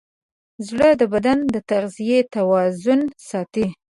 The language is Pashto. زړه د بدن د تغذیې توازن ساتي.